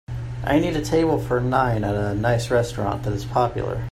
I need a table for nine at a nice restaurant that is popular